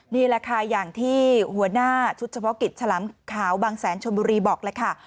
นี่แหละค่ะอย่างที่หัวหน้าสุธพกิจฉลามข่าวบังสีชนมุรีบอกนะค่ะ